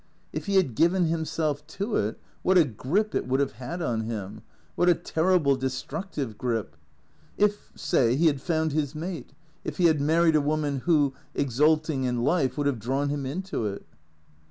If he had given himself to it, what 13 302 THECREATOES a grip it would have had on him, what a terrible, destructive grip; if, say, he had found his mate; if he had married a woman, who, exulting in life, would have drawn him into it.